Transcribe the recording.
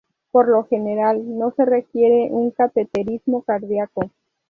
Por lo general no se requiere un cateterismo cardíaco.